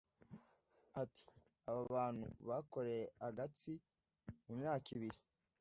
Ati "Aba bantu bakoreye agatsi mu myaka ibiri